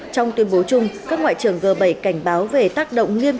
trong tuyên bố chung các ngoại trưởng g bảy cảnh báo về tác động nghiêm